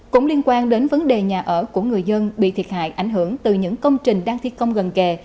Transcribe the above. cũng liên quan đến vấn đề nhà ở của người dân bị thiệt hại ảnh hưởng từ những công trình đang thi công gần kề